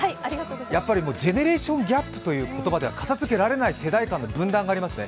やっぱりジェネレーションギャップという言葉では片付けられない問題がありますね。